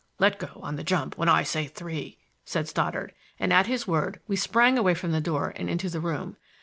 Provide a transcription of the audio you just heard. "Let go on the jump when I say three," said Stoddard, and at his word we sprang away from the door and into the room.